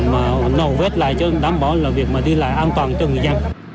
mà nó vết lại cho đảm bảo là việc mà đi lại an toàn cho người dân